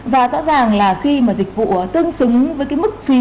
và rõ ràng là khi mà dịch vụ tương xứng với cái mức phí